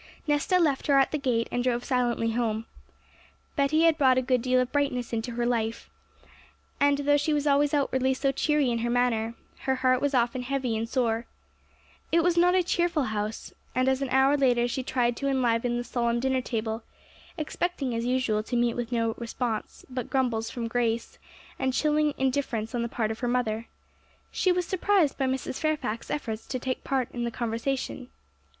Nesta left her at the gate, and drove silently home. Betty had brought a good deal of brightness into her life; and though she was always outwardly so cheery in her manner, her heart was often heavy and sore. It was not a cheerful house; and as an hour later she tried to enliven the solemn dinner table, expecting as usual to meet with no response, but grumbles from Grace and chilling indifference on the part of her mother, she was surprised by Mrs. Fairfax's efforts to take part in the conversation.